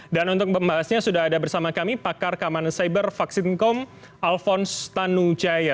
dan untuk pembahasnya sudah ada bersama kami pakar keamanan cyber vaksin com alphonse tanujaya